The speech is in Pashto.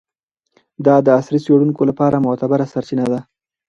دا د عصري څیړونکو لپاره معتبره سرچینه ده.